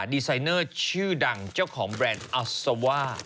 ดีไซเนอร์ชื่อดังเจ้าของแบรนด์อัลซาว่า